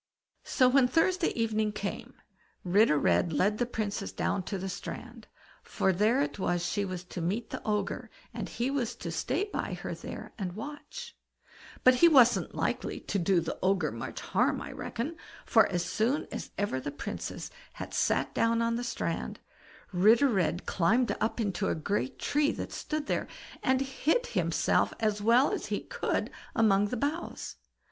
So when Thursday evening came, Ritter Red led the Princess down to the strand, for there it was she was to meet the Ogre, and he was to stay by her there and watch; but he wasn't likely to do the Ogre much harm, I reckon, for as soon as ever the Princess had sat down on the strand, Ritter Red climbed up into a great tree that stood there, and hid himself as well as he could among the boughs.